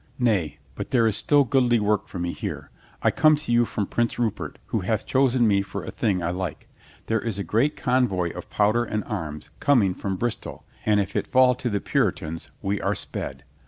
"Nay, but there is still goodly work for me here. I come to you from Prince Rupert, who hath chosen me for a thing I like. There is a great convoy of powder and arms coming from Bristol and if it fall to the Puritans we are sped.